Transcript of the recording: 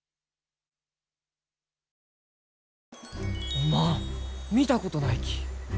おまん見たことないき！